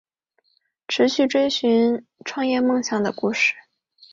持续追寻创业梦想的故事